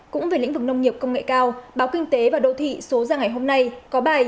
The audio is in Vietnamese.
cũng về lĩnh vực nông nghiệp công nghệ cao báo kinh tế và đô thị số ra ngày hôm nay có bài